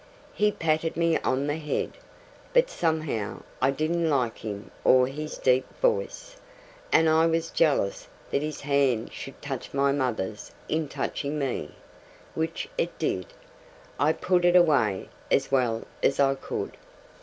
He patted me on the head; but somehow, I didn't like him or his deep voice, and I was jealous that his hand should touch my mother's in touching me which it did. I put it away, as well as I could.